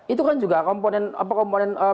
itu kan juga komponen